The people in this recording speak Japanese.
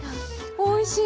おいしい！